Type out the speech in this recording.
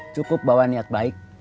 cukup bawa niat baik